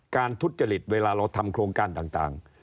ทุจริตเวลาเราทำโครงการต่าง